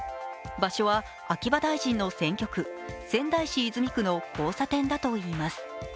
場所は秋葉大臣の選挙区、仙台市泉区の交差点だといいます。